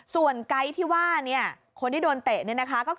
ส่วนไกท์ที่ว่าคนที่โดนเตะนะคะ